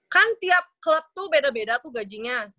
kan tiap klub tuh beda beda tuh gajinya